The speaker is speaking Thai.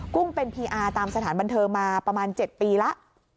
ุ้งเป็นพีอาร์ตามสถานบันเทิงมาประมาณ๗ปีแล้ว